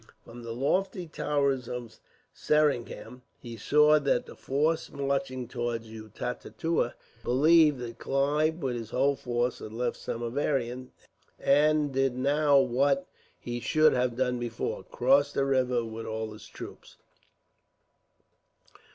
From the lofty towers of Seringam he saw the force marching towards Utatua, believed that Clive with his whole force had left Samieaveram, and did now what he should have before done crossed the river with all his troops.